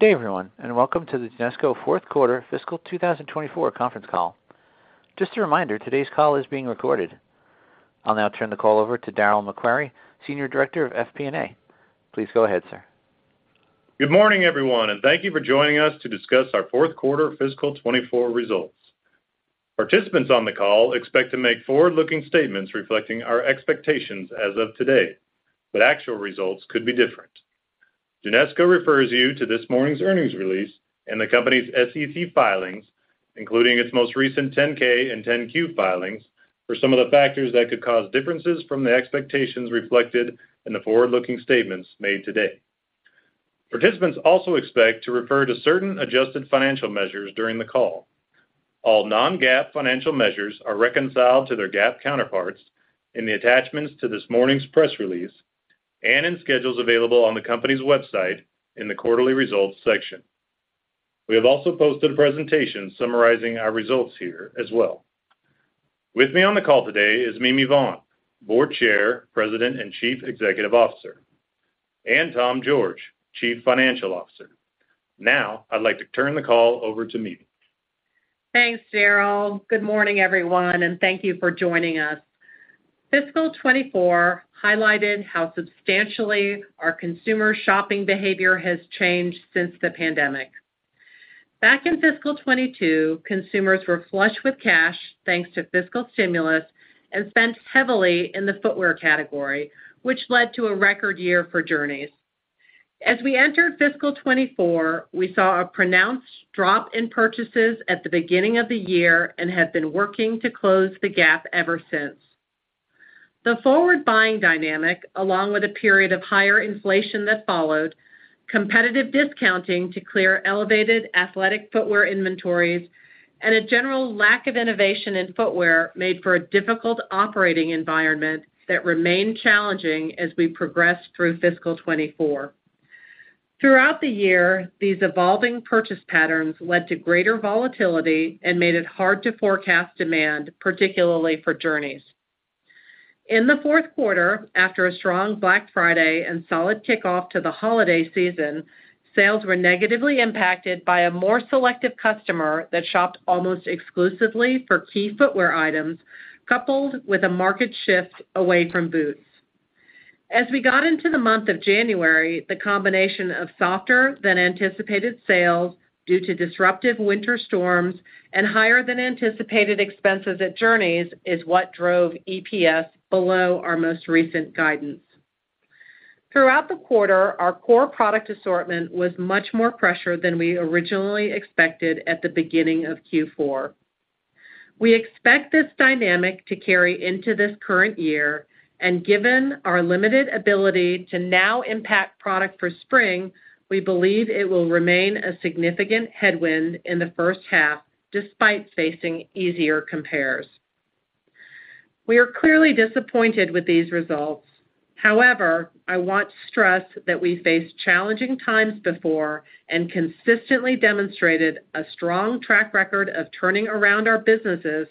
Good day, everyone, and welcome to the Genesco Q4 fiscal 2024 conference call. Just a reminder, today's call is being recorded. I'll now turn the call over to Darryl MacQuarrie, Senior Director of FP&A. Please go ahead, sir. Good morning, everyone, and thank you for joining us to discuss our Q4 fiscal 2024 results. Participants on the call expect to make forward-looking statements reflecting our expectations as of today, but actual results could be different. Genesco refers you to this morning's earnings release and the company's SEC filings, including its most recent 10-K and 10-Q filings, for some of the factors that could cause differences from the expectations reflected in the forward-looking statements made today. Participants also expect to refer to certain adjusted financial measures during the call. All non-GAAP financial measures are reconciled to their GAAP counterparts in the attachments to this morning's press release and in schedules available on the company's website in the Quarterly Results section. We have also posted a presentation summarizing our results here as well. With me on the call today is Mimi Vaughn, Board Chair, President, and Chief Executive Officer, and Tom George, Chief Financial Officer. Now, I'd like to turn the call over to Mimi. Thanks, Darryl. Good morning, everyone, and thank you for joining us. Fiscal 2024 highlighted how substantially our consumer shopping behavior has changed since the pandemic. Back in fiscal 2022, consumers were flush with cash, thanks to fiscal stimulus, and spent heavily in the footwear category, which led to a record year for Journeys. As we entered fiscal 2024, we saw a pronounced drop in purchases at the beginning of the year and have been working to close the gap ever since. The forward buying dynamic, along with a period of higher inflation that followed, competitive discounting to clear elevated athletic footwear inventories, and a general lack of innovation in footwear made for a difficult operating environment that remained challenging as we progressed through fiscal 2024. Throughout the year, these evolving purchase patterns led to greater volatility and made it hard to forecast demand, particularly for Journeys. In the Q4, after a strong Black Friday and solid kickoff to the holiday season, sales were negatively impacted by a more selective customer that shopped almost exclusively for key footwear items, coupled with a market shift away from boots. As we got into the month of January, the combination of softer than anticipated sales due to disruptive winter storms and higher than anticipated expenses at Journeys is what drove EPS below our most recent guidance. Throughout the quarter, our core product assortment was much more pressured than we originally expected at the beginning of Q4. We expect this dynamic to carry into this current year, and given our limited ability to now impact product for spring, we believe it will remain a significant headwind in the first half, despite facing easier compares. We are clearly disappointed with these results. However, I want to stress that we faced challenging times before and consistently demonstrated a strong track record of turning around our businesses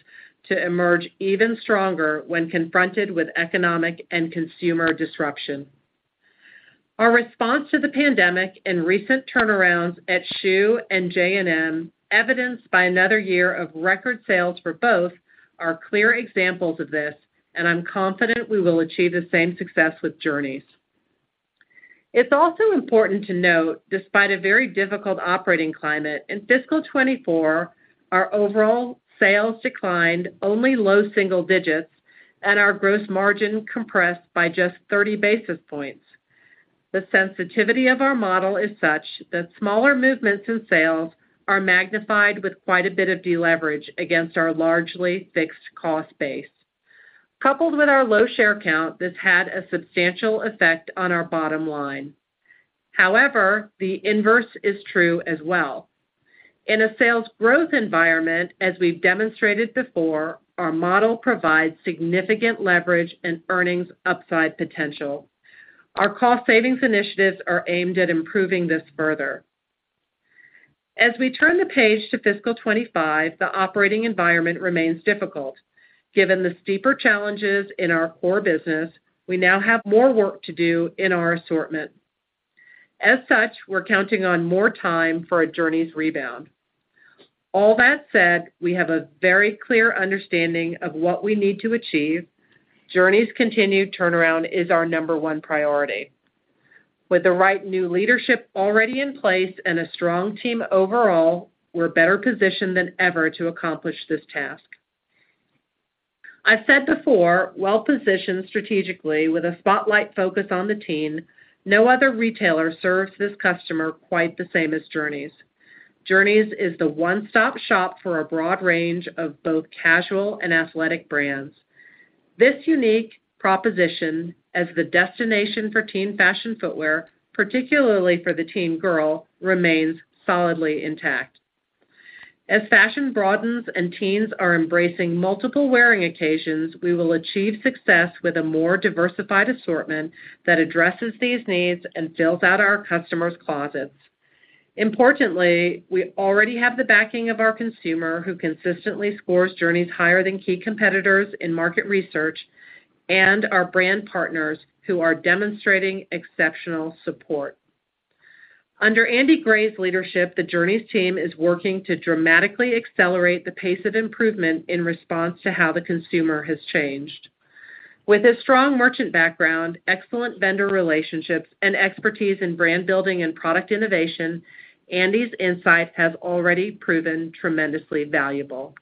to emerge even stronger when confronted with economic and consumer disruption. Our response to the pandemic and recent turnarounds at Schuh and J&M, evidenced by another year of record sales for both, are clear examples of this, and I'm confident we will achieve the same success with Journeys. It's also important to note, despite a very difficult operating climate, in fiscal 2024, our overall sales declined only low single digits and our gross margin compressed by just 30 basis points. The sensitivity of our model is such that smaller movements in sales are magnified with quite a bit of deleverage against our largely fixed cost base. Coupled with our low share count, this had a substantial effect on our bottom line. However, the inverse is true as well. In a sales growth environment, as we've demonstrated before, our model provides significant leverage and earnings upside potential. Our cost savings initiatives are aimed at improving this further. As we turn the page to fiscal 2025, the operating environment remains difficult. Given the steeper challenges in our core business, we now have more work to do in our assortment. As such, we're counting on more time for a Journeys rebound. All that said, we have a very clear understanding of what we need to achieve. Journeys' continued turnaround is our number one priority. With the right new leadership already in place and a strong team overall, we're better positioned than ever to accomplish this task. I've said before, well-positioned strategically with a spotlight focus on the team, no other retailer serves this customer quite the same as Journeys. Journeys is the one-stop shop for a broad range of both casual and athletic brands. This unique proposition as the destination for teen fashion footwear, particularly for the teen girl, remains solidly intact. As fashion broadens and teens are embracing multiple wearing occasions, we will achieve success with a more diversified assortment that addresses these needs and fills out our customers' closets. Importantly, we already have the backing of our consumer, who consistently scores Journeys higher than key competitors in market research and our brand partners who are demonstrating exceptional support. Under Andy Gray's leadership, the Journeys team is working to dramatically accelerate the pace of improvement in response to how the consumer has changed. With his strong merchant background, excellent vendor relationships, and expertise in brand building and product innovation, Andy's insight has already proven tremendously valuable.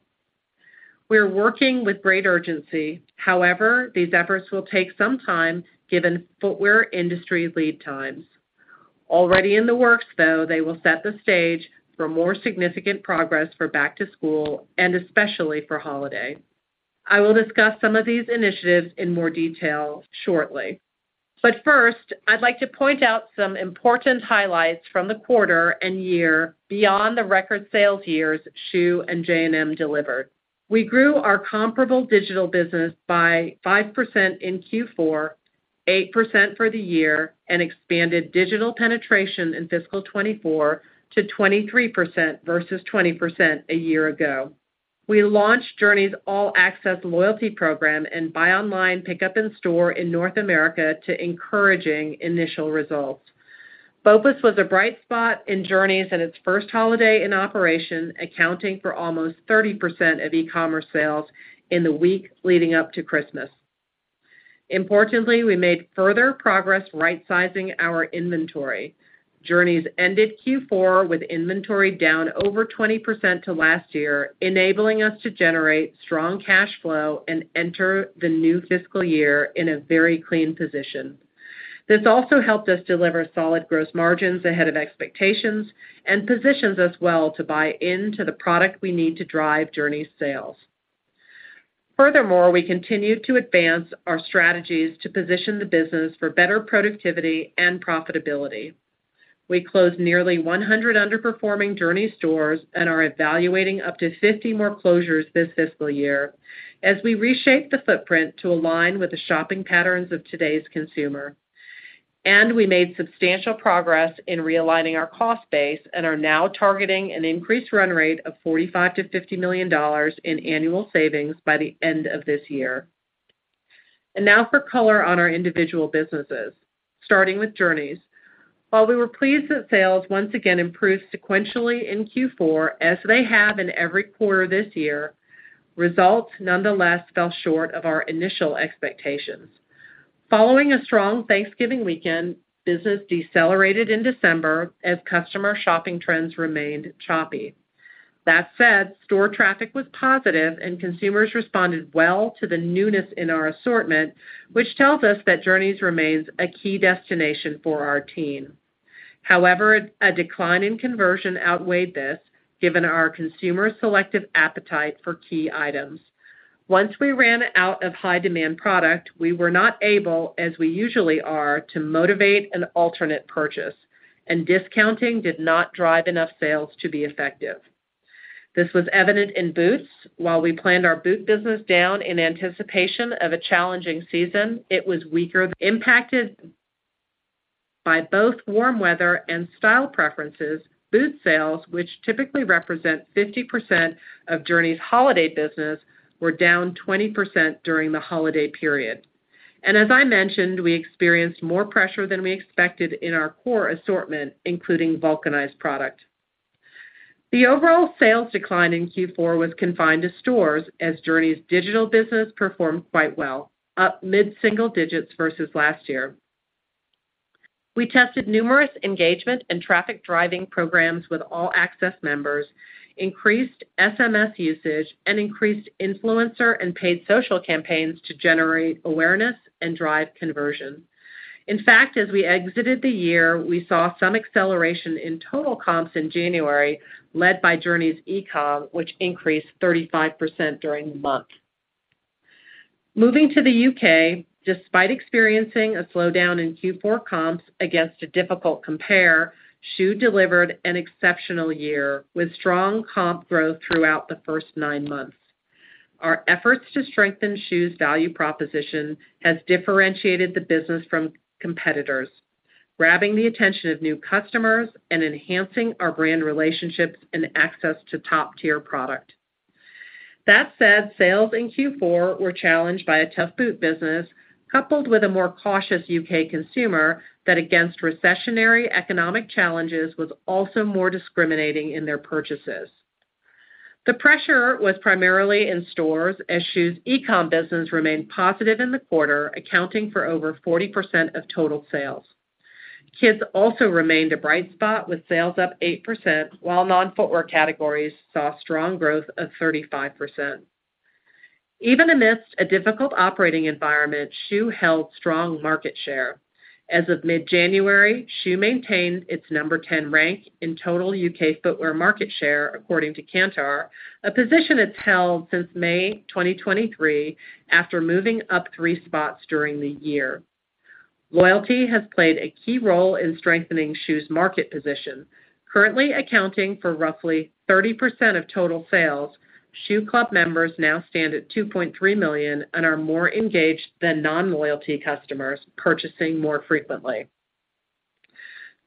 We are working with great urgency. However, these efforts will take some time, given footwear industry lead times. Already in the works, though, they will set the stage for more significant progress for back to school and especially for holiday. I will discuss some of these initiatives in more detail shortly. But first, I'd like to point out some important highlights from the quarter and year beyond the record sales years Schuh and J&M delivered. We grew our comparable digital business by 5% in Q4, 8% for the year, and expanded digital penetration in fiscal 2024 to 23% versus 20% a year ago. We launched Journeys' All Access loyalty program and buy online, pickup in store in North America to encouraging initial results. BOPUS was a bright spot in Journeys and its first holiday in operation, accounting for almost 30% of e-commerce sales in the week leading up to Christmas. Importantly, we made further progress rightsizing our inventory. Journeys ended Q4 with inventory down over 20% to last year, enabling us to generate strong cash flow and enter the new fiscal year in a very clean position. This also helped us deliver solid gross margins ahead of expectations and positions us well to buy into the product we need to drive Journeys sales. Furthermore, we continued to advance our strategies to position the business for better productivity and profitability. We closed nearly 100 underperforming Journeys stores and are evaluating up to 50 more closures this fiscal year as we reshape the footprint to align with the shopping patterns of today's consumer. We made substantial progress in realigning our cost base and are now targeting an increased run rate of $45-50 million in annual savings by the end of this year. Now for color on our individual businesses, starting with Journeys. While we were pleased that sales once again improved sequentially in Q4, as they have in every quarter this year, results nonetheless fell short of our initial expectations. Following a strong Thanksgiving weekend, business decelerated in December as customer shopping trends remained choppy. That said, store traffic was positive and consumers responded well to the newness in our assortment, which tells us that Journeys remains a key destination for our team. However, a decline in conversion outweighed this, given our consumer selective appetite for key items. Once we ran out of high-demand product, we were not able, as we usually are, to motivate an alternate purchase, and discounting did not drive enough sales to be effective. This was evident in boots. While we planned our boot business down in anticipation of a challenging season, it was weaker... Impacted by both warm weather and style preferences, boot sales, which typically represent 50% of Journeys' holiday business, were down 20% during the holiday period. As I mentioned, we experienced more pressure than we expected in our core assortment, including vulcanized product. The overall sales decline in Q4 was confined to stores as Journeys' digital business performed quite well, up mid-single digits versus last year. We tested numerous engagement and traffic-driving programs with All Access members, increased SMS usage, and increased influencer and paid social campaigns to generate awareness and drive conversion. In fact, as we exited the year, we saw some acceleration in total comps in January, led by Journeys E-com, which increased 35% during the month. Moving to the U.K., despite experiencing a slowdown in Q4 comps against a difficult compare, Schuh delivered an exceptional year with strong comp growth throughout the first nine months. Our efforts to strengthen Schuh's value proposition has differentiated the business from competitors, grabbing the attention of new customers and enhancing our brand relationships and access to top-tier product. That said, sales in Q4 were challenged by a tough boot business, coupled with a more cautious U.K. consumer that, against recessionary economic challenges, was also more discriminating in their purchases. The pressure was primarily in stores as Schuh's e-com business remained positive in the quarter, accounting for over 40% of total sales. Kids also remained a bright spot, with sales up 8%, while non-footwear categories saw strong growth of 35%. Even amidst a difficult operating environment, Schuh held strong market share. As of mid-January, Schuh maintained its number 10 rank in total U.K. footwear market share, according to Kantar, a position it's held since May 2023, after moving up three spots during the year. Loyalty has played a key role in strengthening Schuh's market position, currently accounting for roughly 30% of total sales. Schuh Club members now stand at 2.3 million and are more engaged than non-loyalty customers, purchasing more frequently.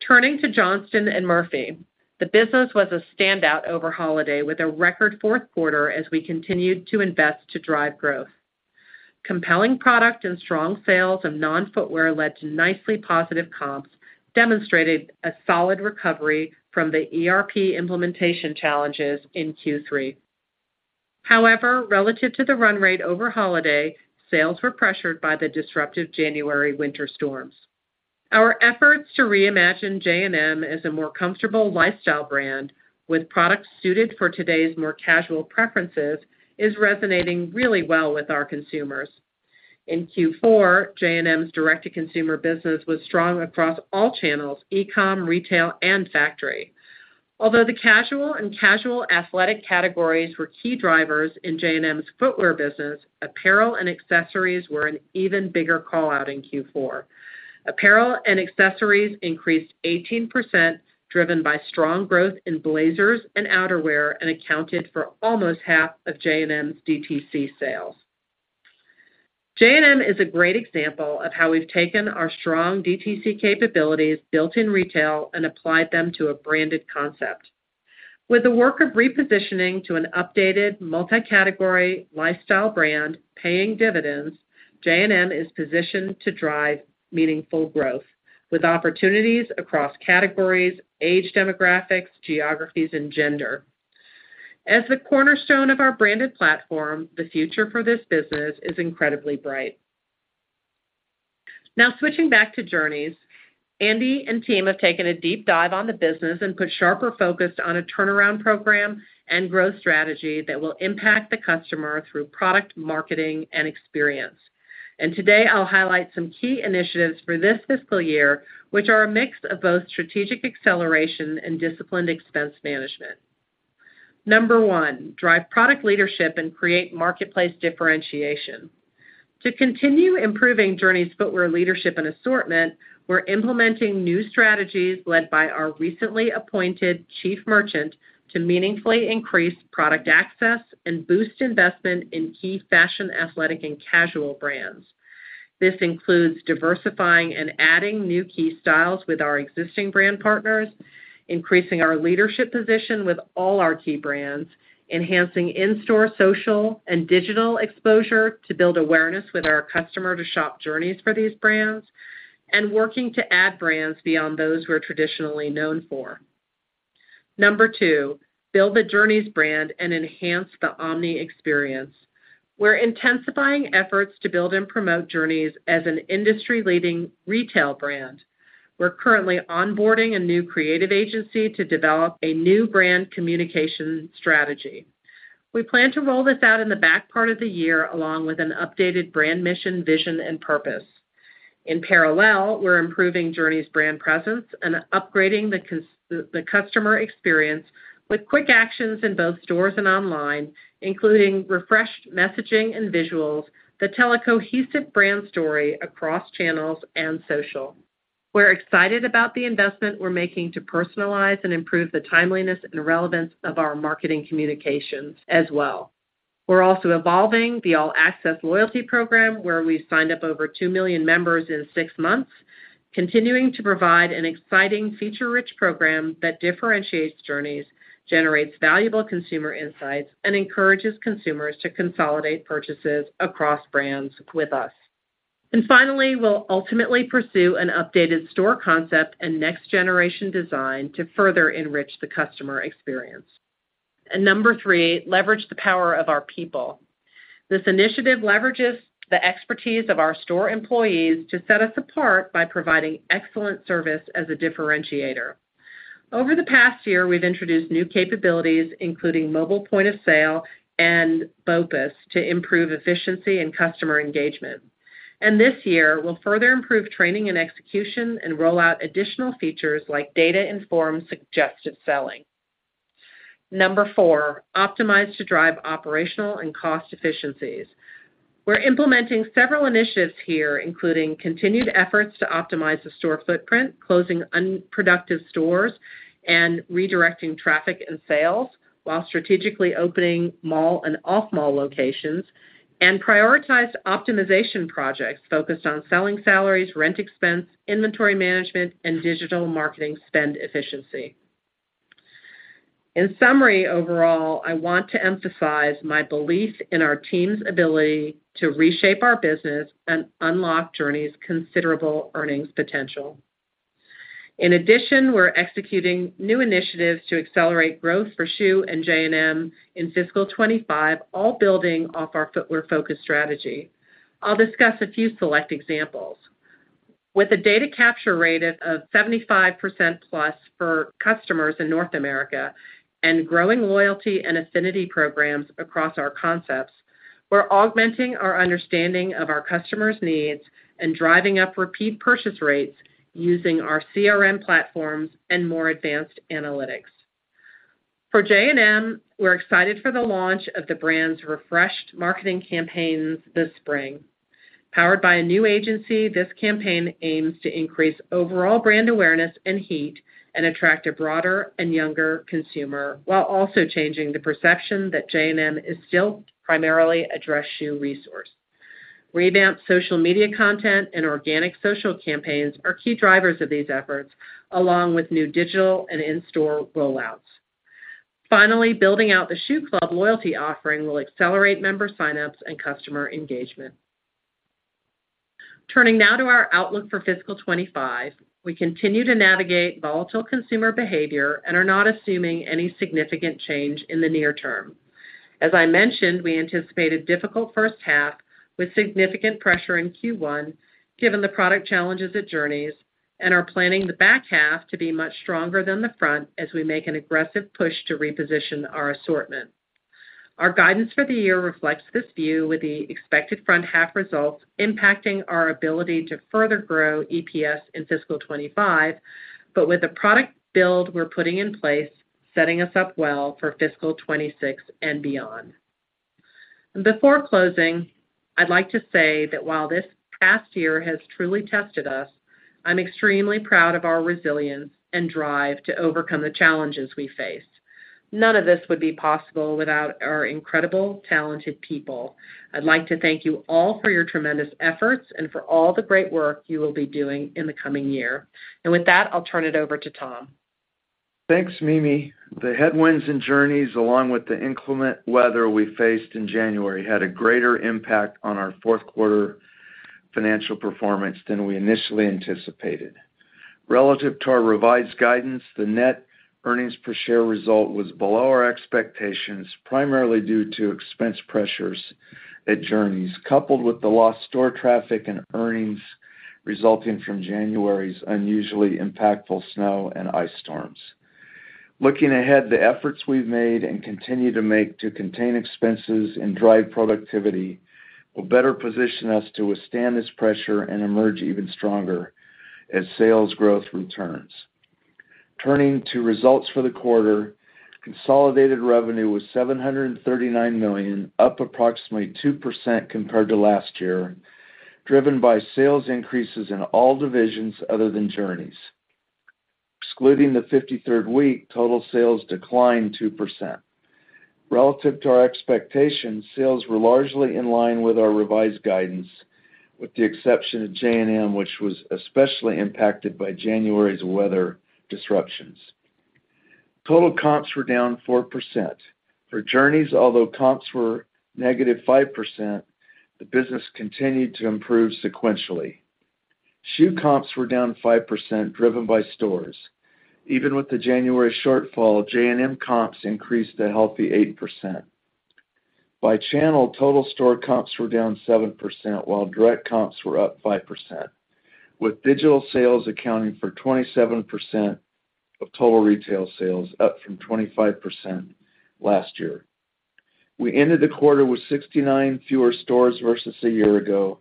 Turning to Johnston & Murphy, the business was a standout over holiday, with a record Q4 as we continued to invest to drive growth. Compelling product and strong sales of non-footwear led to nicely positive comps, demonstrating a solid recovery from the ERP implementation challenges in Q3. However, relative to the run rate over holiday, sales were pressured by the disruptive January winter storms. Our efforts to reimagine J&M as a more comfortable lifestyle brand, with products suited for today's more casual preferences, is resonating really well with our consumers. In Q4, J&M's direct-to-consumer business was strong across all channels: e-com, retail, and factory. Although the casual and casual athletic categories were key drivers in J&M's footwear business, apparel and accessories were an even bigger call-out in Q4. Apparel and accessories increased 18%, driven by strong growth in blazers and outerwear, and accounted for almost half of J&M's DTC sales. J&M is a great example of how we've taken our strong DTC capabilities built in retail and applied them to a branded concept. With the work of repositioning to an updated, multi-category, lifestyle brand paying dividends, J&M is positioned to drive meaningful growth, with opportunities across categories, age demographics, geographies, and gender. As the cornerstone of our branded platform, the future for this business is incredibly bright. Now, switching back to Journeys, Andy and team have taken a deep dive on the business and put sharper focus on a turnaround program and growth strategy that will impact the customer through product, marketing, and experience. Today, I'll highlight some key initiatives for this fiscal year, which are a mix of both strategic acceleration and disciplined expense management. Number one, drive product leadership and create marketplace differentiation. To continue improving Journeys' footwear leadership and assortment, we're implementing new strategies led by our recently appointed chief merchant to meaningfully increase product access and boost investment in key fashion, athletic, and casual brands. This includes diversifying and adding new key styles with our existing brand partners, increasing our leadership position with all our key brands, enhancing in-store, social, and digital exposure to build awareness with our customer to shop Journeys for these brands, and working to add brands beyond those we're traditionally known for. Number two, build the Journeys brand and enhance the omni experience. We're intensifying efforts to build and promote Journeys as an industry-leading retail brand. We're currently onboarding a new creative agency to develop a new brand communication strategy. We plan to roll this out in the back part of the year, along with an updated brand mission, vision, and purpose. In parallel, we're improving Journeys' brand presence and upgrading the customer experience with quick actions in both stores and online, including refreshed messaging and visuals that tell a cohesive brand story across channels and social. We're excited about the investment we're making to personalize and improve the timeliness and relevance of our marketing communications as well. We're also evolving the All Access loyalty program, where we've signed up over 2 million members in six months, continuing to provide an exciting, feature-rich program that differentiates Journeys, generates valuable consumer insights, and encourages consumers to consolidate purchases across brands with us. Finally, we'll ultimately pursue an updated store concept and next-generation design to further enrich the customer experience. And number 3, leverage the power of our people. This initiative leverages the expertise of our store employees to set us apart by providing excellent service as a differentiator. Over the past year, we've introduced new capabilities, including mobile point of sale and BOPIS, to improve efficiency and customer engagement. And this year, we'll further improve training and execution and roll out additional features like data-informed, suggestive selling. Number 4, optimize to drive operational and cost efficiencies. We're implementing several initiatives here, including continued efforts to optimize the store footprint, closing unproductive stores and redirecting traffic and sales, while strategically opening mall and off-mall locations, and prioritize optimization projects focused on selling salaries, rent expense, inventory management, and digital marketing spend efficiency. In summary, overall, I want to emphasize my belief in our team's ability to reshape our business and unlock Journeys' considerable earnings potential. In addition, we're executing new initiatives to accelerate growth for schuh and J&M in fiscal 2025, all building off our footwear-focused strategy. I'll discuss a few select examples. With a data capture rate of 75% plus for customers in North America and growing loyalty and affinity programs across our concepts, we're augmenting our understanding of our customers' needs and driving up repeat purchase rates using our CRM platforms and more advanced analytics. For J&M, we're excited for the launch of the brand's refreshed marketing campaigns this spring. Powered by a new agency, this campaign aims to increase overall brand awareness and reach and attract a broader and younger consumer, while also changing the perception that J&M is still primarily a dress Schuh resource. Revamped social media content and organic social campaigns are key drivers of these efforts, along with new digital and in-store rollouts. Finally, building out the schuh Club loyalty offering will accelerate member signups and customer engagement. Turning now to our outlook for fiscal 2025, we continue to navigate volatile consumer behavior and are not assuming any significant change in the near term. As I mentioned, we anticipate a difficult first half with significant pressure in Q1, given the product challenges at Journeys, and are planning the back half to be much stronger than the front as we make an aggressive push to reposition our assortment. Our guidance for the year reflects this view, with the expected front half results impacting our ability to further grow EPS in fiscal 2025, but with the product build we're putting in place, setting us up well for fiscal 2026 and beyond. Before closing, I'd like to say that while this past year has truly tested us, I'm extremely proud of our resilience and drive to overcome the challenges we faced. None of this would be possible without our incredible, talented people. I'd like to thank you all for your tremendous efforts and for all the great work you will be doing in the coming year. With that, I'll turn it over to Tom. Thanks, Mimi. The headwinds in Journeys, along with the inclement weather we faced in January, had a greater impact on our Q4 financial performance than we initially anticipated. Relative to our revised guidance, the net earnings per share result was below our expectations, primarily due to expense pressures at Journeys, coupled with the lost store traffic and earnings resulting from January's unusually impactful snow and ice storms. Looking ahead, the efforts we've made and continue to make to contain expenses and drive productivity will better position us to withstand this pressure and emerge even stronger as sales growth returns. Turning to results for the quarter, consolidated revenue was $739 million, up approximately 2% compared to last year, driven by sales increases in all divisions other than Journeys. Excluding the 53rd week, total sales declined 2%. Relative to our expectations, sales were largely in line with our revised guidance, with the exception of J&M, which was especially impacted by January's weather disruptions. Total comps were down 4%. For Journeys, although comps were -5%, the business continued to improve sequentially. Schuh comps were down 5%, driven by stores. Even with the January shortfall, J&M comps increased a healthy 8%. By channel, total store comps were down 7%, while direct comps were up 5%, with digital sales accounting for 27% of total retail sales, up from 25% last year. We ended the quarter with 69 fewer stores versus a year ago,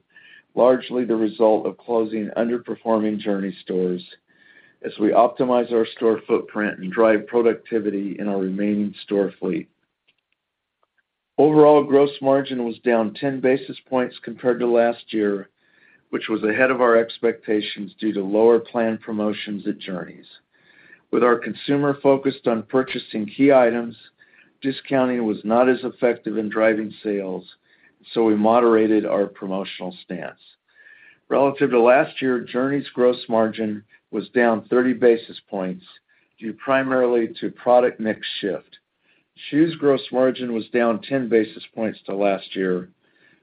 largely the result of closing underperforming Journeys stores as we optimize our store footprint and drive productivity in our remaining store fleet. Overall, gross margin was down 10 basis points compared to last year, which was ahead of our expectations due to lower planned promotions at Journeys. With our consumer focused on purchasing key items, discounting was not as effective in driving sales, so we moderated our promotional stance. Relative to last year, Journeys' gross margin was down 30 basis points, due primarily to product mix shift. Schuh gross margin was down 10 basis points to last year,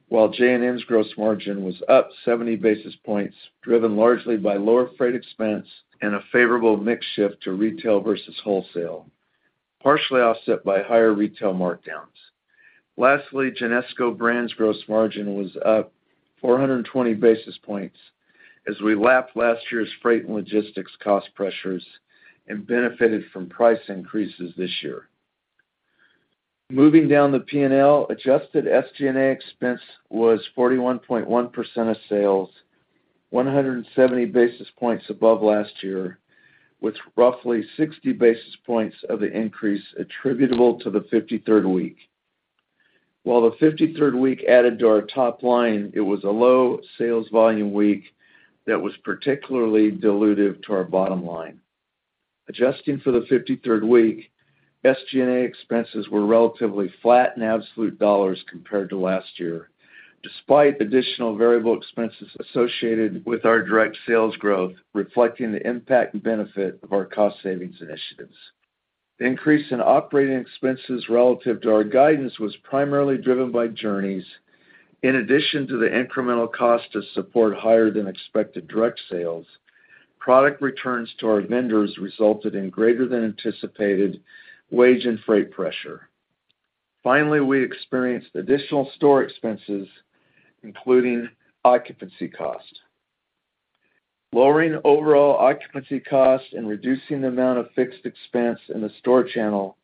while J&M's gross margin was up 70 basis points, driven largely by lower freight expense and a favorable mix shift to retail versus wholesale, partially offset by higher retail markdowns. Lastly, Genesco Brands' gross margin was up 420 basis points as we lapped last year's freight and logistics cost pressures and benefited from price increases this year. Moving down the P&L, adjusted SG&A expense was 41.1% of sales, 170 basis points above last year, with roughly 60 basis points of the increase attributable to the 53rd week. While the 53rd week added to our top line, it was a low sales volume week that was particularly dilutive to our bottom line. Adjusting for the 53rd week, SG&A expenses were relatively flat in absolute dollars compared to last year, despite additional variable expenses associated with our direct sales growth, reflecting the impact and benefit of our cost savings initiatives. The increase in operating expenses relative to our guidance was primarily driven by Journeys. In addition to the incremental cost to support higher-than-expected direct sales, product returns to our vendors resulted in greater-than-anticipated wage and freight pressure. Finally, we experienced additional store expenses, including occupancy cost. Lowering overall occupancy cost and reducing the amount of fixed expense in the store channel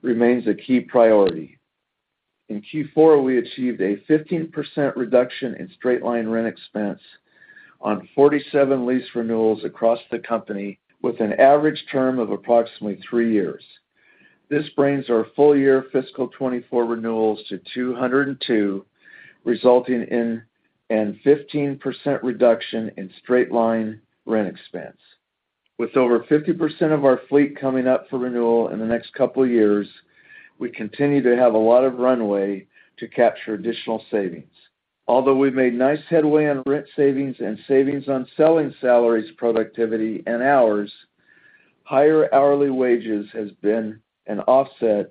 remains a key priority. In Q4, we achieved a 15% reduction in straight line rent expense on 47 lease renewals across the company, with an average term of approximately three years. This brings our full-year fiscal 2024 renewals to 202, resulting in a 15% reduction in straight line rent expense. With over 50% of our fleet coming up for renewal in the next couple of years, we continue to have a lot of runway to capture additional savings. Although we've made nice headway on rent savings and savings on selling salaries,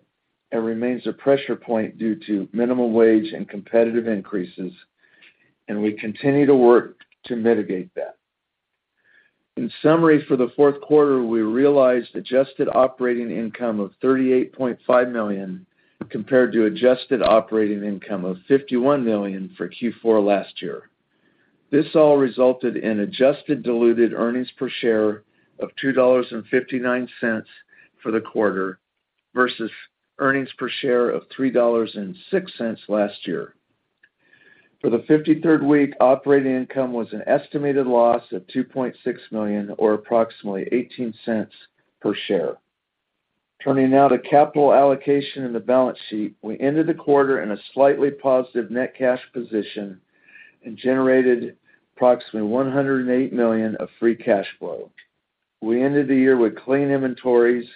productivity, and hours, higher hourly wages has been an offset and remains a pressure point due to minimum wage and competitive increases, and we continue to work to mitigate that. In summary, for the Q4, we realized adjusted operating income of $38.5 million, compared to adjusted operating income of $51 million for Q4 last year. This all resulted in adjusted diluted earnings per share of $2.59 for the quarter, versus earnings per share of $3.06 last year. For the 53rd week, operating income was an estimated loss of $2.6 million, or approximately $0.18 per share. Turning now to capital allocation and the balance sheet. We ended the quarter in a slightly positive net cash position and generated approximately $108 million of free cash flow. We ended the year with clean inventories,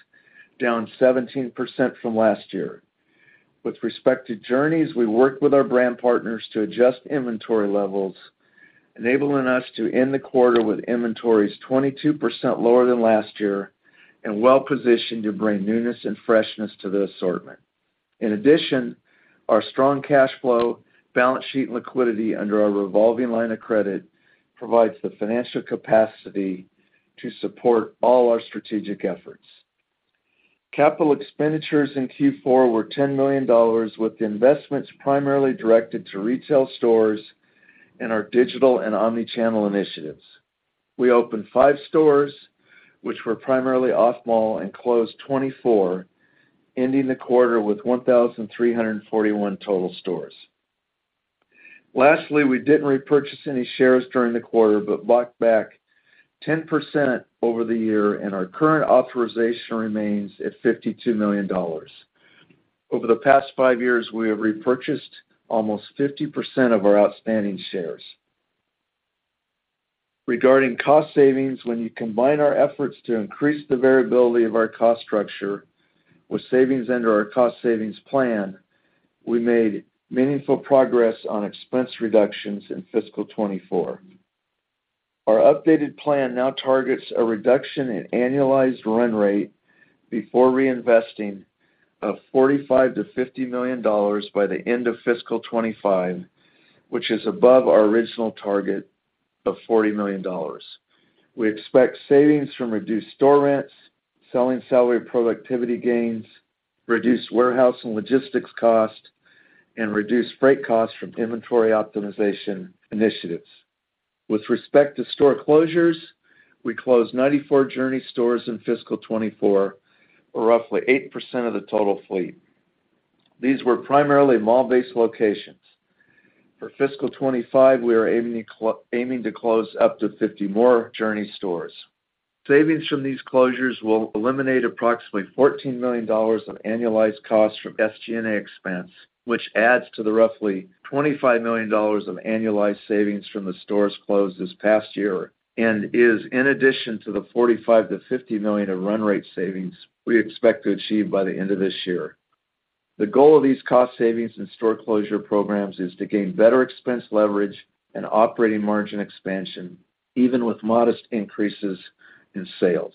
down 17% from last year. With respect to Journeys, we worked with our brand partners to adjust inventory levels, enabling us to end the quarter with inventories 22% lower than last year and well positioned to bring newness and freshness to the assortment. In addition, our strong cash flow, balance sheet liquidity under our revolving line of credit, provides the financial capacity to support all our strategic efforts. Capital expenditures in Q4 were $10 million, with the investments primarily directed to retail stores and our digital and omni-channel initiatives. We opened five stores, which were primarily off-mall, and closed 24, ending the quarter with 1,341 total stores. Lastly, we didn't repurchase any shares during the quarter, but bought back 10% over the year, and our current authorization remains at $52 million. Over the past five years, we have repurchased almost 50% of our outstanding shares. Regarding cost savings, when you combine our efforts to increase the variability of our cost structure with savings under our cost savings plan, we made meaningful progress on expense reductions in fiscal 2024. Our updated plan now targets a reduction in annualized run rate before reinvesting of $45-50 million by the end of fiscal 2025, which is above our original target of $40 million. We expect savings from reduced store rents, selling salary productivity gains, reduced warehouse and logistics cost, and reduced freight costs from inventory optimization initiatives. With respect to store closures, we closed 94 Journeys stores in fiscal 2024, or roughly 8% of the total fleet. These were primarily mall-based locations. For fiscal 2025, we are aiming to close up to 50 more Journeys stores. Savings from these closures will eliminate approximately $14 million of annualized costs from SG&A expense, which adds to the roughly $25 million of annualized savings from the stores closed this past year, and is in addition to the $45-50 million of run rate savings we expect to achieve by the end of this year. The goal of these cost savings and store closure programs is to gain better expense leverage and operating margin expansion, even with modest increases in sales.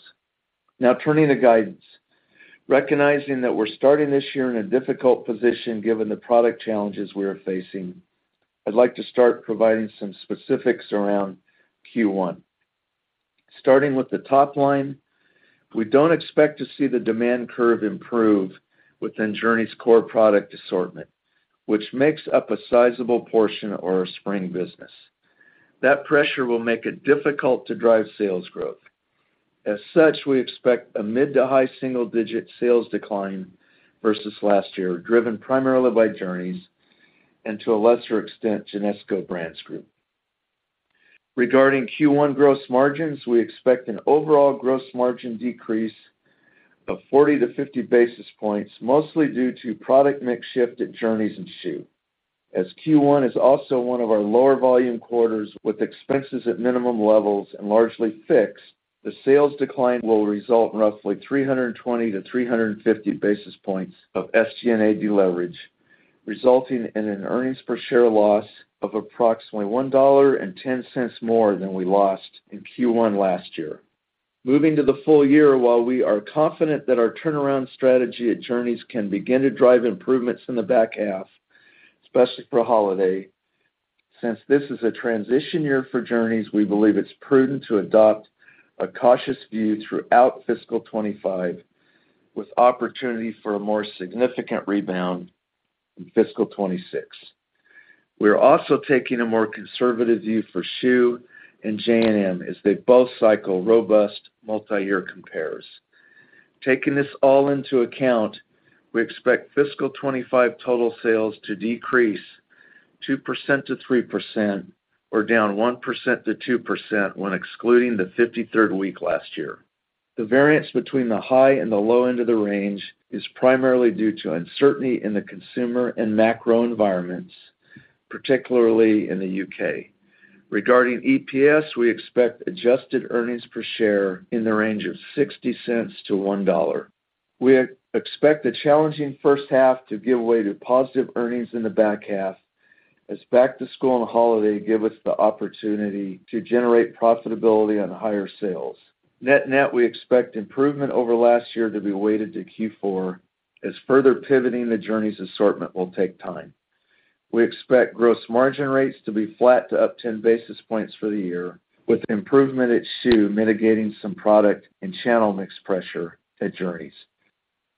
Now turning to guidance. Recognizing that we're starting this year in a difficult position, given the product challenges we are facing, I'd like to start providing some specifics around Q1. Starting with the top line, we don't expect to see the demand curve improve within Journeys' core product assortment, which makes up a sizable portion of our spring business. That pressure will make it difficult to drive sales growth. As such, we expect a mid to high single-digit sales decline versus last year, driven primarily by Journeys and, to a lesser extent, Genesco Brands Group. Regarding Q1 gross margins, we expect an overall gross margin decrease of 40-50 basis points, mostly due to product mix shift at Journeys and schuh. As Q1 is also one of our lower volume quarters with expenses at minimum levels and largely fixed, the sales decline will result in roughly 320-350 basis points of SG&A deleverage, resulting in an earnings per share loss of approximately $1.10 more than we lost in Q1 last year. Moving to the full year, while we are confident that our turnaround strategy at Journeys can begin to drive improvements in the back half, especially for holiday, since this is a transition year for Journeys, we believe it's prudent to adopt a cautious view throughout fiscal 2025, with opportunity for a more significant rebound in fiscal 2026. We are also taking a more conservative view for Schuh and J&M, as they both cycle robust multiyear compares. Taking this all into account, we expect fiscal 2025 total sales to decrease 2%-3% or down 1%-2% when excluding the 53rd week last year. The variance between the high and the low end of the range is primarily due to uncertainty in the consumer and macro environments, particularly in the U.K. Regarding EPS, we expect adjusted earnings per share in the range of $0.60-$1.00. We expect the challenging first half to give way to positive earnings in the back half, as back-to-school and holiday give us the opportunity to generate profitability on higher sales. Net-net, we expect improvement over last year to be weighted to Q4, as further pivoting the Journeys assortment will take time. We expect gross margin rates to be flat to up 10 basis points for the year, with improvement at Schuh mitigating some product and channel mix pressure at Journeys.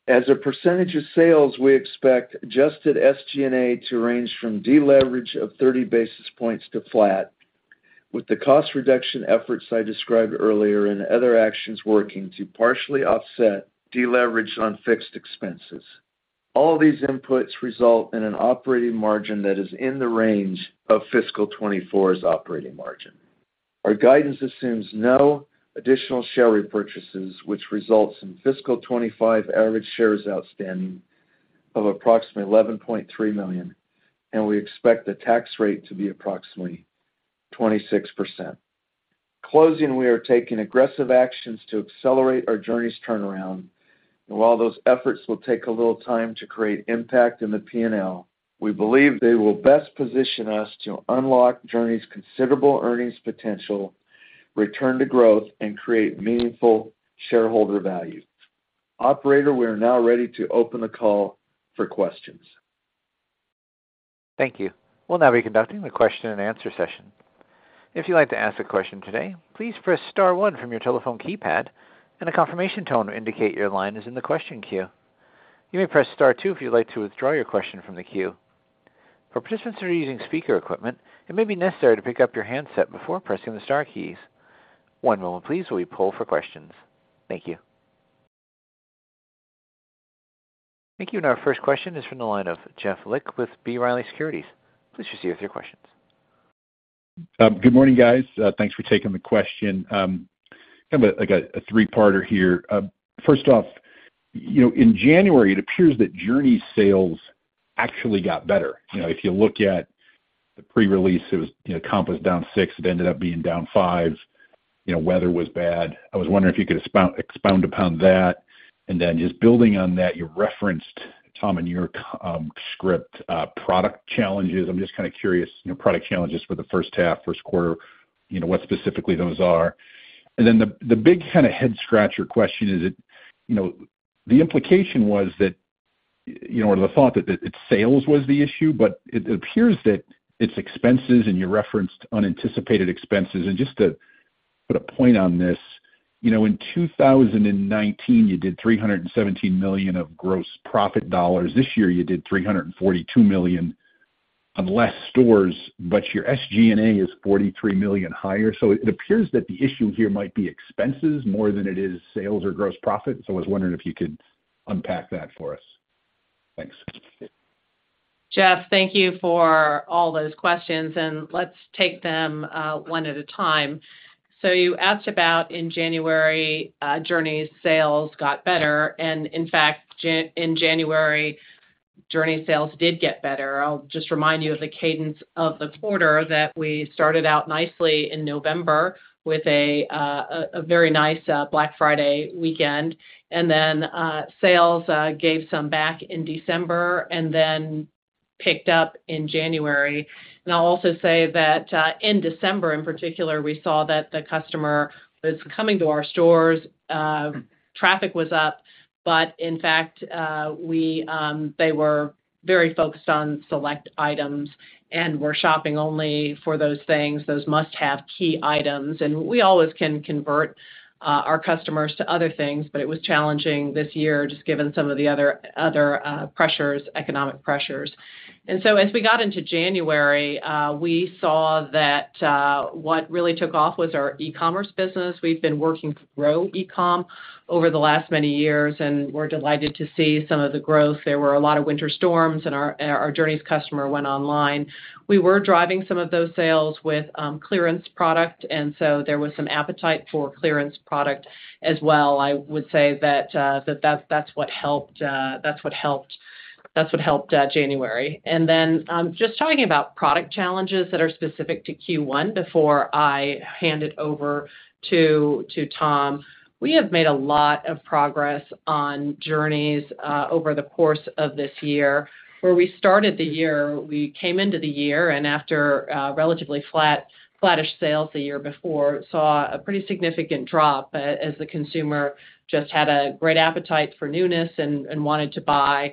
As a percentage of sales, we expect adjusted SG&A to range from deleverage of 30 basis points to flat, with the cost reduction efforts I described earlier and other actions working to partially offset deleverage on fixed expenses. All these inputs result in an operating margin that is in the range of fiscal 2024's operating margin. Our guidance assumes no additional share repurchases, which results in fiscal 2025 average shares outstanding of approximately $11.3 million, and we expect the tax rate to be approximately 26%. Closing, we are taking aggressive actions to accelerate our Journeys turnaround, and while those efforts will take a little time to create impact in the P&L, we believe they will best position us to unlock Journeys' considerable earnings potential, return to growth, and create meaningful shareholder value. Operator, we are now ready to open the call for questions. Thank you. We'll now be conducting the question and answer session. If you'd like to ask a question today, please press star one from your telephone keypad, and a confirmation tone will indicate your line is in the question queue. You may press star two if you'd like to withdraw your question from the queue. For participants who are using speaker equipment, it may be necessary to pick up your handset before pressing the star keys. One moment please, while we poll for questions. Thank you. Thank you. And our first question is from the line of Jeff Lick with B. Riley Securities. Please proceed with your questions. Good morning, guys. Thanks for taking the question. Kind of, like, a three-parter here. First off, you know, in January, it appears that Journeys sales actually got better. You know, if you look at the pre-release, it was, you know, comp was down six, it ended up being down five. You know, weather was bad. I was wondering if you could expound upon that, and then just building on that, you referenced, Tom, in your script, product challenges i'm just kind of curious, you know, product challenges for the first half, Q1, you know, what specifically those are. Then the big kind of head-scratcher question is that, you know, the implication was that, you know, or the thought that it, it's sales was the issue, but it appears that it's expenses, and you referenced unanticipated expenses. Just to put a point on this, you know, in 2019, you did $317 million of gross profit dollars. This year, you did $342 million on less stores, but your SG&A is $43 million higher. It appears that the issue here might be expenses more than it is sales or gross profit. I was wondering if you could unpack that for us. Thanks. Jeff, thank you for all those questions, and let's take them one at a time. You asked about in January Journeys' sales got better, and in fact, in January, Journeys' sales did get better. I'll just remind you of the cadence of the quarter, that we started out nicely in November with a very nice Black Friday weekend, and then sales gave some back in December and then picked up in January. I'll also say that in December, in particular, we saw that the customer was coming to our stores, traffic was up, but in fact they were very focused on select items and were shopping only for those things, those must-have key items. We always can convert our customers to other things, but it was challenging this year, just given some of the other pressures, economic pressures. As we got into January, we saw that what really took off was our e-commerce business we've been working to grow e-com over the last many years, and we're delighted to see some of the growth there were a lot of winter storms, and our Journeys customer went online. We were driving some of those sales with clearance product, and so there was some appetite for clearance product as well. I would say that that's what helped January. Then, just talking about product challenges that are specific to Q1, before I hand it over to Tom, we have made a lot of progress on Journeys over the course of this year. Where we started the year, we came into the year, and after relatively flat, flattish sales the year before, saw a pretty significant drop as the consumer just had a great appetite for newness and wanted to buy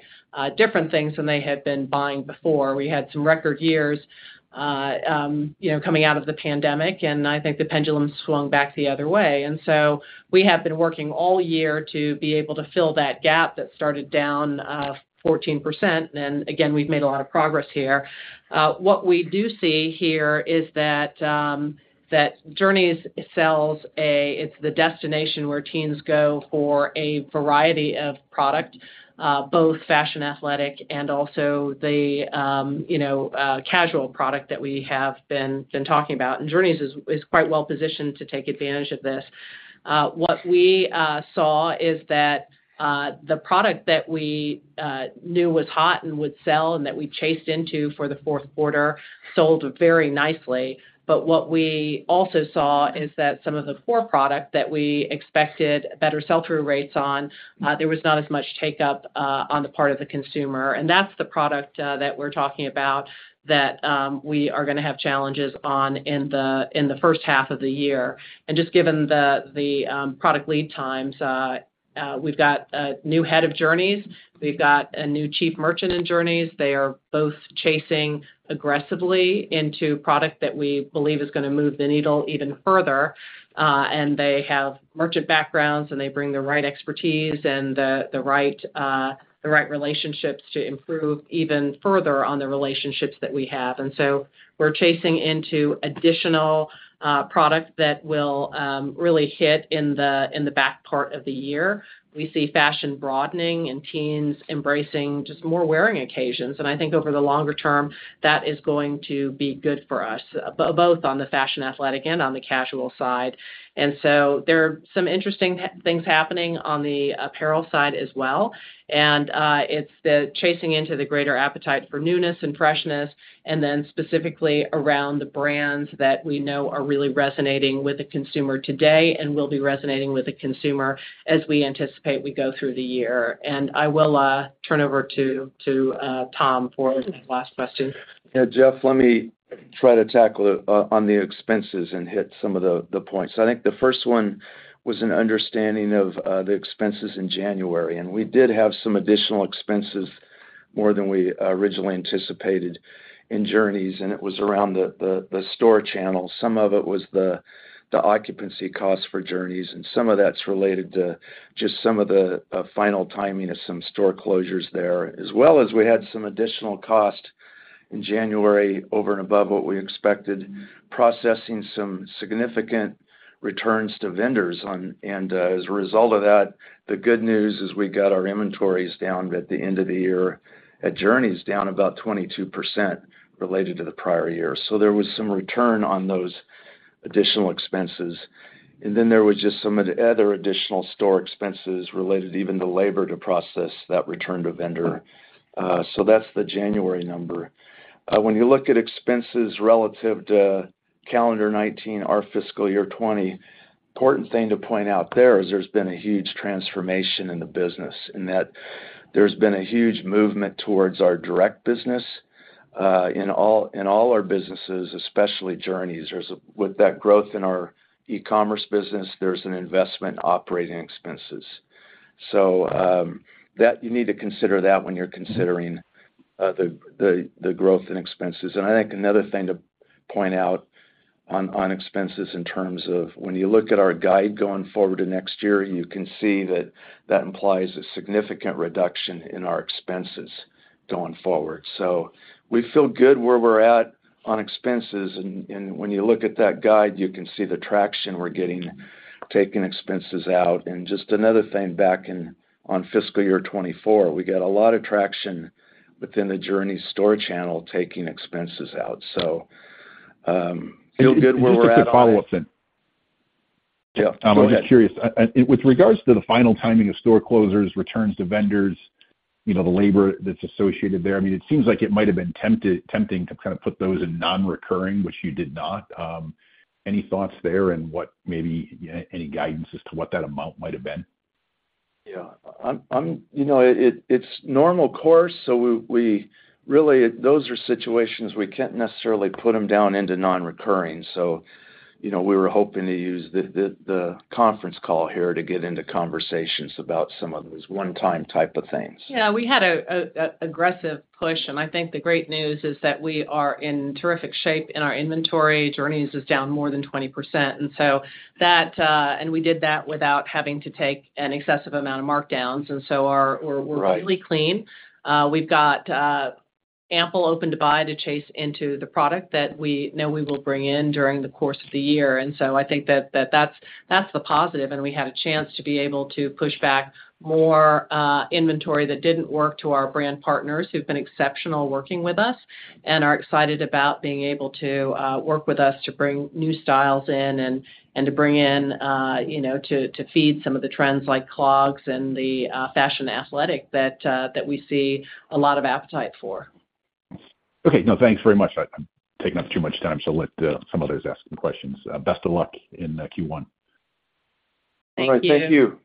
different things than they had been buying before. We had some record years, you know, coming out of the pandemic, and I think the pendulum swung back the other way. We have been working all year to be able to fill that gap that started down 14%. Again, we've made a lot of progress here. What we do see here is that Journeys sells, it's the destination where teens go for a variety of product, both fashion, athletic, and also the, you know, casual product that we have been talking about. And Journeys is quite well positioned to take advantage of this. What we saw is that the product that we knew was hot and would sell and that we chased into for the Q4 sold very nicely. But what we also saw is that some of the core product that we expected better sell-through rates on, there was not as much take up on the part of the consumer, and that's the product that we're talking about that we are gonna have challenges on in the first half of the year. Just given the product lead times, we've got a new head of Journeys. We've got a new chief merchant in Journeys they are both chasing aggressively into product that we believe is gonna move the needle even further. They have merchant backgrounds, and they bring the right expertise and the right relationships to improve even further on the relationships that we have. We're chasing into additional product that will really hit in the back part of the year. We see fashion broadening and teens embracing just more wearing occasions. I think over the longer term, that is going to be good for us, both on the fashion athletic and on the casual side. There are some interesting things happening on the apparel side as well. It's the chasing into the greater appetite for newness and freshness, and then specifically around the brands that we know are really resonating with the consumer today and will be resonating with the consumer as we anticipate we go through the year and I will turn over to Tom for the last question. Yeah, Jeff, let me try to tackle it, on the expenses and hit some of the points. I think the first one was an understanding of, the expenses in January, and we did have some additional expenses, more than we originally anticipated in Journeys, and it was around the store channel. Some of it was the occupancy costs for Journeys, and some of that's related to just some of the, final timing of some store closures there, as well as we had some additional cost in January over and above what we expected, processing some significant returns to vendors on. As a result of that, the good news is we got our inventories down at the end of the year, at Journeys, down about 22% related to the prior year. There was some return on those additional expenses. Then there was just some of the other additional store expenses related even to labor to process that return to vendor. That's the January number. When you look at expenses relative to calendar 2019, our fiscal year 2020, important thing to point out there is there's been a huge transformation in the business, in that there's been a huge movement towards our direct business, in all our businesses, especially Journeys with that growth in our e-commerce business, there's an investment operating expenses. You need to consider that when you're considering the growth in expenses. I think another thing to point out on expenses in terms of when you look at our guide going forward to next year, you can see that that implies a significant reduction in our expenses going forward. We feel good where we're at on expenses, and, and when you look at that guide, you can see the traction we're getting, taking expenses out and just another thing, back in on fiscal year 2024, we got a lot of traction within the Journeys store channel, taking expenses out. Feel good where we're at on it- Can I get a follow-up then? Yeah, go ahead. I'm just curious. With regards to the final timing of store closures, returns to vendors, you know, the labor that's associated there, I mean, it seems like it might have been tempting to kind of put those in non-recurring, which you did not. Any thoughts there and what maybe any guidance as to what that amount might have been? Yeah. You know, it's normal course, so we really. Those are situations we can't necessarily put them down into non-recurring. You know, we were hoping to use the conference call here to get into conversations about some of these one-time type of things. Yeah, we had an aggressive push, and I think the great news is that we are in terrific shape in our inventory. Journeys is down more than 20%, and so that. We did that without having to take an excessive amount of markdowns, and so our- Right. We're really clean. We've got ample open-to-buy to chase into the product that we know we will bring in during the course of the year. I think that's the positive, and we had a chance to be able to push back more inventory that didn't work to our brand partners, who've been exceptional working with us and are excited about being able to work with us to bring new styles in and to bring in you know, to feed some of the trends, like clogs and the fashion athletic, that we see a lot of appetite for. Okay. No, thanks very much. I'm taking up too much time, so let some others ask some questions. Best of luck in Q1. Thank you. All right. Thank you.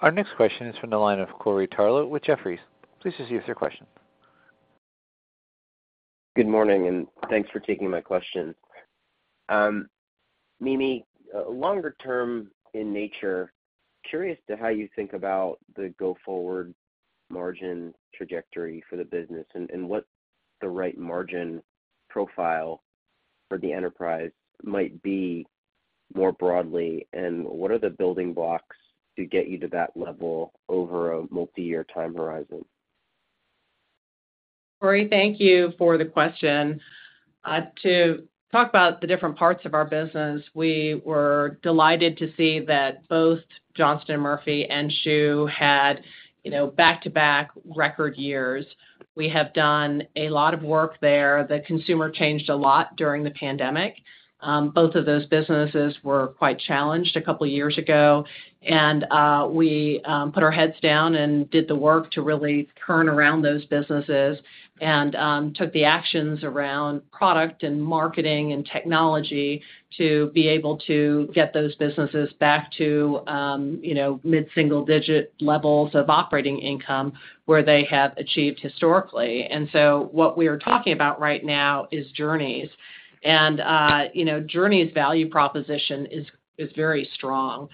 Our next question is from the line of Corey Tarlowe with Jefferies. Please just ask your question. Good morning, and thanks for taking my question. Mimi, longer term in nature, curious to how you think about the go-forward margin trajectory for the business, and, and what the right margin profile for the enterprise might be more broadly, and what are the building blocks to get you to that level over a multi-year time horizon? Corey, thank you for the question. To talk about the different parts of our business, we were delighted to see that both Johnston & Murphy and Schuh had, you know, back-to-back record years. We have done a lot of work there. The consumer changed a lot during the pandemic. Both of those businesses were quite challenged a couple years ago, and we put our heads down and did the work to really turn around those businesses and took the actions around product and marketing and technology to be able to get those businesses back to, you know, mid-single digit levels of operating income where they have achieved historically. And so what we are talking about right now is Journeys. You know, Journeys' value proposition is very strong.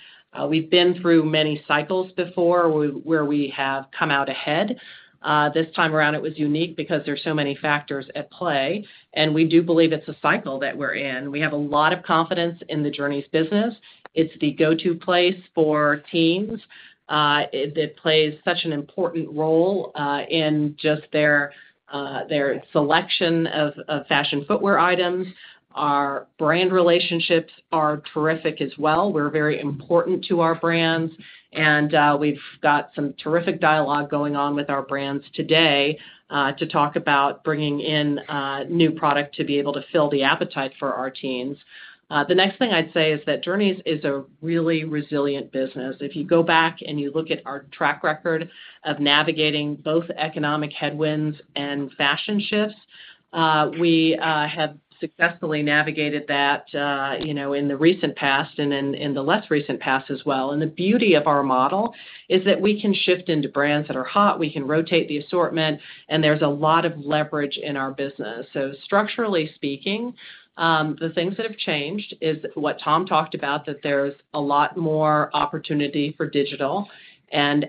We've been through many cycles before, where we have come out ahead. This time around, it was unique because there's so many factors at play, and we do believe it's a cycle that we're in we have a lot of confidence in the Journeys business. It's the go-to place for teens. It plays such an important role in just their selection of fashion footwear items. Our brand relationships are terrific as well we're very important to our brands, and we've got some terrific dialogue going on with our brands today to talk about bringing in new product to be able to fill the appetite for our teens. The next thing I'd say is that Journeys is a really resilient business. If you go back and you look at our track record of navigating both economic headwinds and fashion shifts, we have successfully navigated that, you know, in the recent past and in the less recent past as well and the beauty of our model is that we can shift into brands that are hot, we can rotate the assortment, and there's a lot of leverage in our business. Structurally speaking, the things that have changed is what Tom talked about, that there's a lot more opportunity for digital.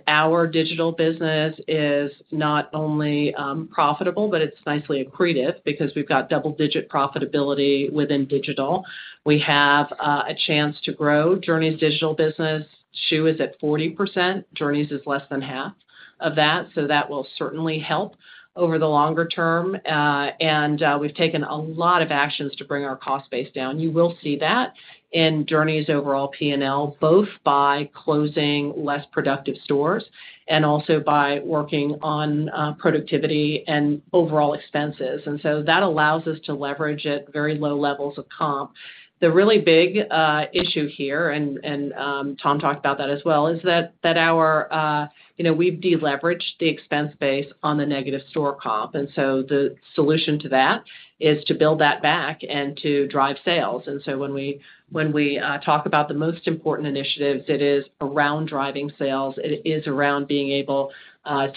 Our digital business is not only profitable, but it's nicely accretive because we've got double digit profitability within digital. We have a chance to grow Journeys' digital business. Schuh is at 40%. Journeys is less than half of that, that will certainly help over the longer term. We've taken a lot of actions to bring our cost base down. You will see that in Journeys' overall P&L, both by closing less productive stores and also by working on productivity and overall expenses. That allows us to leverage at very low levels of comp. The really big issue here, Tom talked about that as well, is that our you know, we've deleveraged the expense base on the negative store comp, and so the solution to that is to build that back and to drive sales. When we talk about the most important initiatives, it is around driving sales, it is around being able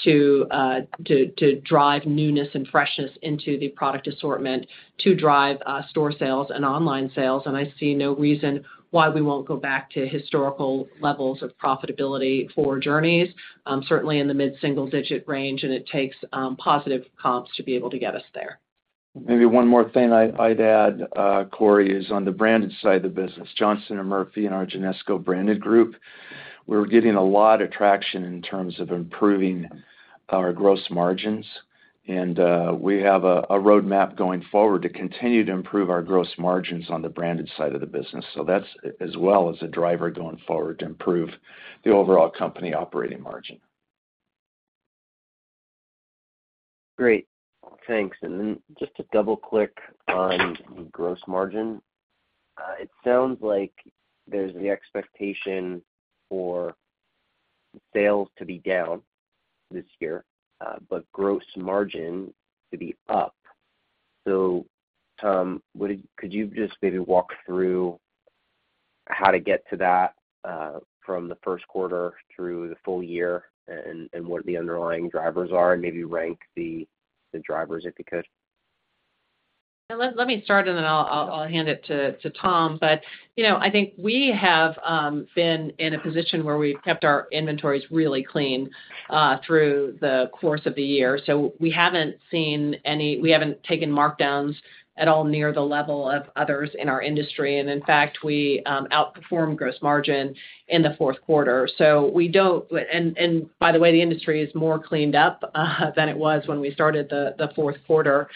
to drive newness and freshness into the product assortment, to drive store sales and online sales, and I see no reason why we won't go back to historical levels of profitability for Journeys, certainly in the mid-single digit range, and it takes positive comps to be able to get us there. Maybe one more thing I'd add, Corey, is on the branded side of the business, Johnston & Murphy and our Genesco branded group. We're getting a lot of traction in terms of improving our gross margins, We have a roadmap going forward to continue to improve our gross margins on the branded side of the business. That's, as well, is a driver going forward to improve the overall company operating margin. Great. Thanks. Then just to double-click on gross margin, it sounds like there's the expectation for sales to be down this year, but gross margin to be up. Tom, what did... Could you just maybe walk through how to get to that, from the Q1 through the full year and what the underlying drivers are, and maybe rank the drivers, if you could? Let me start, and then I'll hand it to Tom. But, you know, I think we have been in a position where we've kept our inventories really clean through the course of the year. We haven't seen any we haven't taken markdowns at all near the level of others in our industry, and in fact, we outperformed gross margin in the Q4. We don't and by the way, the industry is more cleaned up than it was when we started the Q4.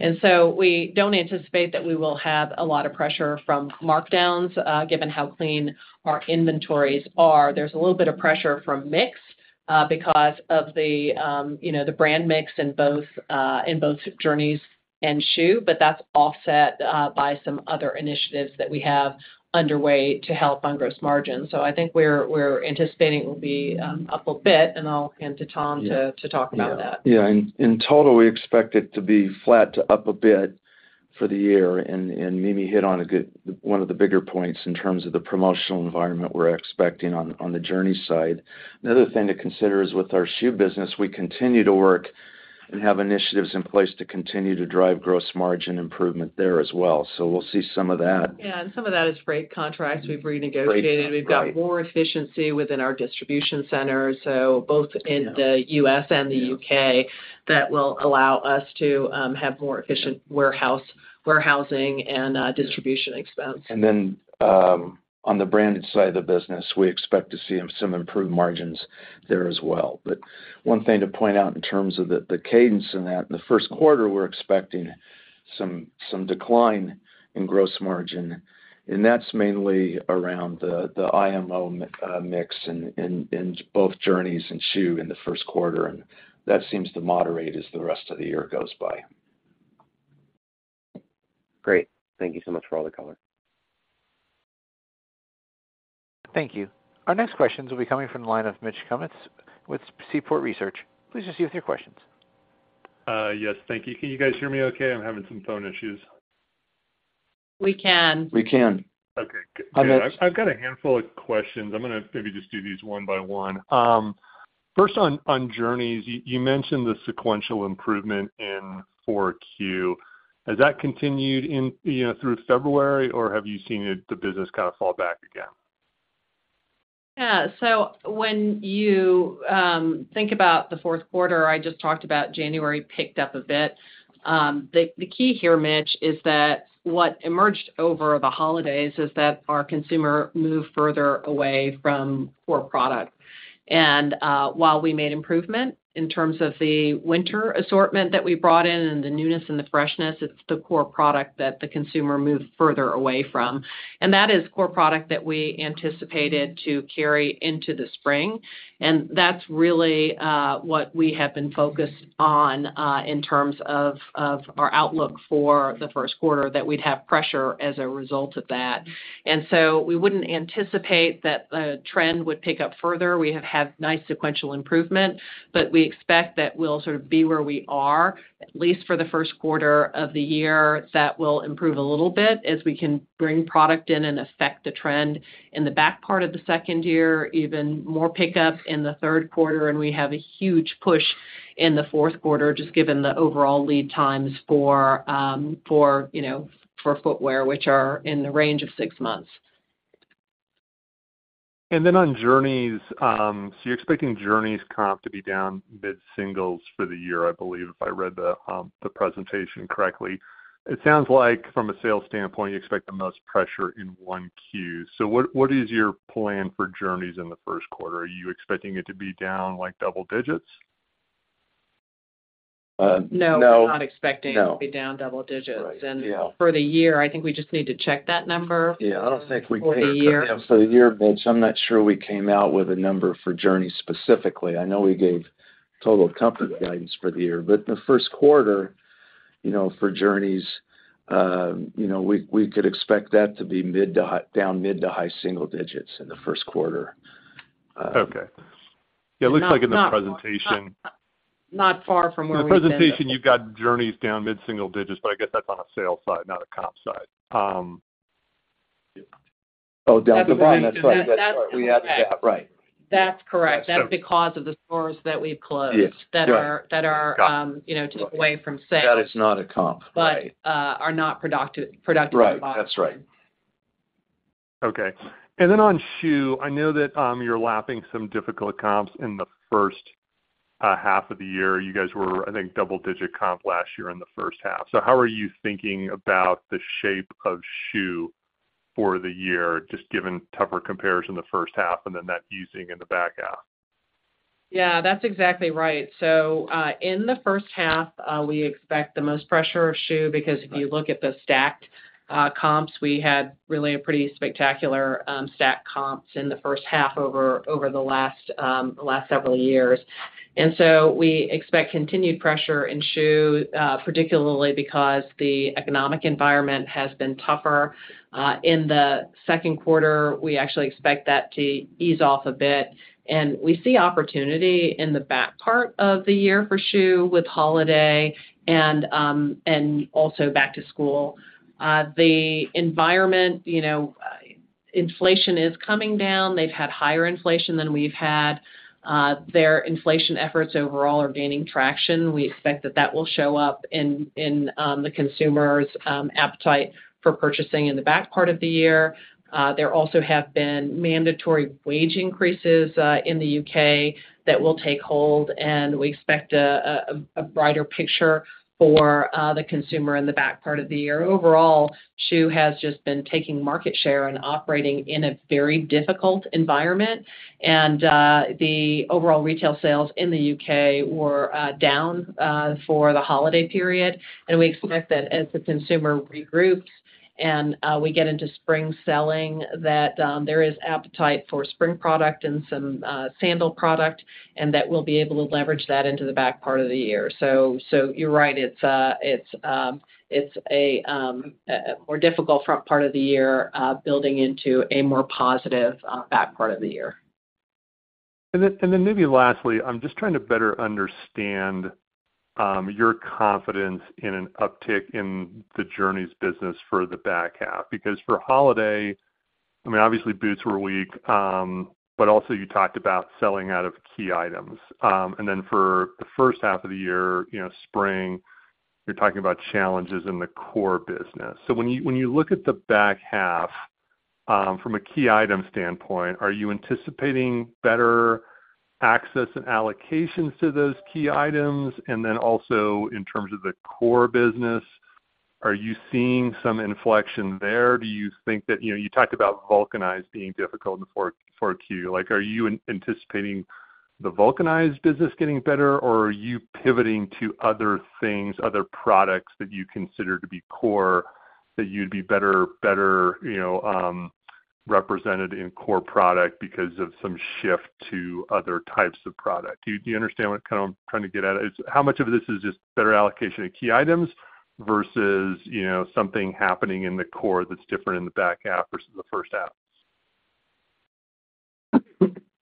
We don't anticipate that we will have a lot of pressure from markdowns given how clean our inventories are. There's a little bit of pressure from mix, because of the, you know, the brand mix in both, in both Journeys and schuh, but that's offset, by some other initiatives that we have underway to help on gross margin. I think we're, we're anticipating it will be, up a bit, and I'll hand to Tom to, to talk about that. Yeah. In total, we expect it to be flat to up a bit for the year, and Mimi hit on a good one of the bigger points in terms of the promotional environment we're expecting on the Journeys side. Another thing to consider is with our shoe business, we continue to work and have initiatives in place to continue to drive gross margin improvement there as well. We'll see some of that. Yeah, and some of that is freight contracts we've renegotiated. Right. We've got more efficiency within our distribution center, both in the U.S. and the U.K., that will allow us to have more efficient warehousing and distribution expense. Then, on the branded side of the business, we expect to see some improved margins there as well. But one thing to point out in terms of the cadence in that, in the Q1, we're expecting some decline in gross margin, and that's mainly around the IMU mix in both Journeys and schuh in the Q1, and that seems to moderate as the rest of the year goes by. Great. Thank you so much for all the color. Thank you. Our next questions will be coming from the line of Mitch Kummetz with Seaport Research. Please proceed with your questions. Yes, thank you. Can you guys hear me okay? I'm having some phone issues. We can. We can. Okay, good. I've got a handful of questions i'm gonna maybe just do these one by one. First on Journeys, you mentioned the sequential improvement in Q4. Has that continued in, you know, through February, or have you seen it, the business kind of fall back again? Yeah. When you think about the Q4, I just talked about January picked up a bit. The key here, Mitch, is that what emerged over the holidays is that our consumer moved further away from core product. While we made improvement in terms of the winter assortment that we brought in and the newness and the freshness, it's the core product that the consumer moved further away from. That is core product that we anticipated to carry into the spring, and that's really what we have been focused on in terms of our outlook for the Q1, that we'd have pressure as a result of that. We wouldn't anticipate that a trend would pick up further. We have had nice sequential improvement, but we expect that we'll sort of be where we are, at least for the Q1 of the year, that will improve a little bit as we can bring product in and affect the trend in the back part of the second year, even more pickup in the Q3, and we have a huge push in the Q4, just given the overall lead times for, you know, for footwear, which are in the range of six months. Then on Journeys, you're expecting Journeys comp to be down mid-singles for the year, I believe, if I read the presentation correctly. It sounds like from a sales standpoint, you expect the most pressure in Q1. What is your plan for Journeys in the Q1? Are you expecting it to be down like double digits? Uh, no. No, we're not expecting- No... it to be down double digits. Right. Yeah. For the year, I think we just need to check that number- Yeah, I don't think we came- For the year For the year, Mitch, I'm not sure we came out with a number for Journeys specifically. I know we gave total comfort guidance for the year, but the Q1, you know, for Journeys, you know, we could expect that to be mid to high - down mid to high single digits in the Q1. Okay. Not, not- It looks like in the presentation- Not far from where we've been. In the presentation, you've got Journeys down mid-single digits, but I guess that's on a sales side, not a comp side. Oh, top line. That's right. That's correct. We added that, right? That's correct. That's because of the stores that we've closed- Yeah, right... that are, you know, taken away from sales. That is not a comp, right? But, are not productive. Right. That's right. Okay. Then on schuh, I know that, you're lapping some difficult comps in the first half of the year. You guys were, I think, double-digit comp last year in the first half. How are you thinking about the shape of schuh for the year, just given tougher comparison in the first half and then that easing in the back half? Yeah, that's exactly right. In the first half, we expect the most pressure on schuh, because if you look at the stacked, comps, we had really a pretty spectacular, stacked comps in the first half over the last several years. We expect continued pressure in schuh, particularly because the economic environment has been tougher. In the Q2, we actually expect that to ease off a bit, and we see opportunity in the back part of the year for schuh with holiday and also back to school. The environment, you know, inflation is coming down. They've had higher inflation than we've had. Their inflation efforts overall are gaining traction we expect that that will show up in the consumers', appetite for purchasing in the back part of the year. There also have been mandatory wage increases in the U.K. that will take hold, and we expect a brighter picture for the consumer in the back part of the year overall, schuh has just been taking market share and operating in a very difficult environment. The overall retail sales in the U.K. were down for the holiday period, and we expect that as the consumer regroups and we get into spring selling, that there is appetite for spring product and some sandal product, and that we'll be able to leverage that into the back part of the year. You're right, it's a more difficult front part of the year, building into a more positive back part of the year. Then maybe lastly, I'm just trying to better understand your confidence in an uptick in the Journeys business for the back half. Because for holiday, I mean, obviously, boots were weak, but also you talked about selling out of key items. And then for the first half of the year, you know, spring, you're talking about challenges in the core business. So when you look at the back half, from a key item standpoint, are you anticipating better access and allocations to those key items? And then also in terms of the core business? Are you seeing some inflection there? Do you think that, you know, you talked about vulcanized being difficult in the Q4? Like, are you anticipating the vulcanized business getting better, or are you pivoting to other things, other products that you consider to be core, that you'd be better, better, you know, represented in core product because of some shift to other types of product? Do you, do you understand what kind of I'm trying to get at? It's how much of this is just better allocation of key items versus, you know, something happening in the core that's different in the back half versus the first half?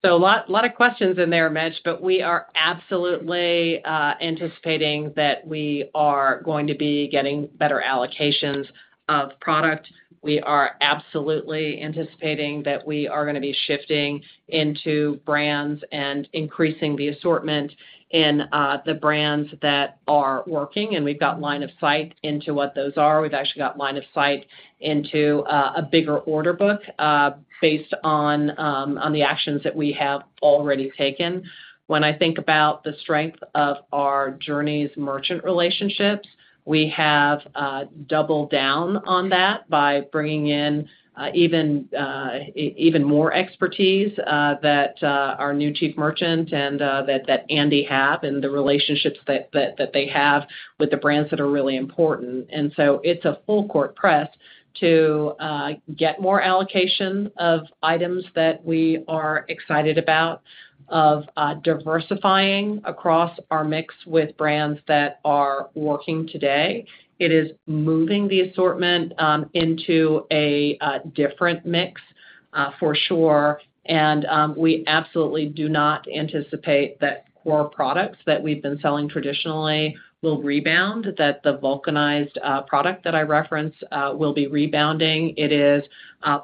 Lot of questions in there, Mitch, but we are absolutely anticipating that we are going to be getting better allocations of product. We are absolutely anticipating that we are gonna be shifting into brands and increasing the assortment in the brands that are working, and we've got line of sight into what those are we've actually got line of sight into a bigger order book based on the actions that we have already taken. When I think about the strength of our Journeys merchant relationships, we have doubled down on that by bringing in even more expertise that our new chief merchant and Andy have and the relationships that they have with the brands that are really important. It's a full court press to get more allocation of items that we are excited about, of diversifying across our mix with brands that are working today. It is moving the assortment into a different mix for sure, and we absolutely do not anticipate that core products that we've been selling traditionally will rebound, that the vulcanized product that I referenced will be rebounding. It is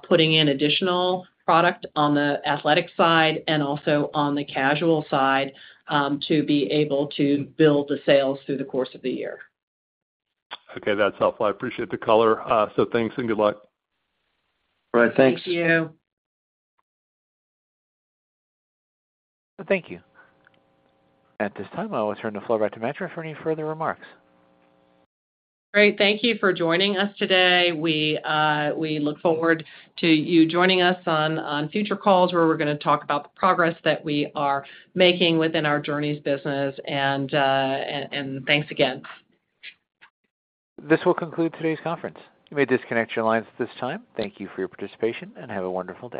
putting in additional product on the athletic side and also on the casual side to be able to build the sales through the course of the year. Okay, that's helpful. I appreciate the color. Thanks, and good luck. All right, thanks. Thank you. Thank you. At this time, I will turn the floor back to Mimi for any further remarks. Great. Thank you for joining us today. We look forward to you joining us on future calls, where we're gonna talk about the progress that we are making within our Journeys business, and thanks again. This will conclude today's conference. You may disconnect your lines at this time. Thank you for your participation, and have a wonderful day.